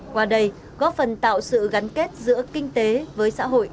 qua đây góp phần tạo sự gắn kết giữa kinh tế với xã hội